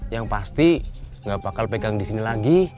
yang pasti gak bakal pegang di sini lagi